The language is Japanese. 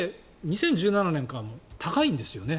２０１７年から高いんですよね